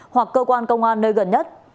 hoặc cơ quan công an nơi gần nhất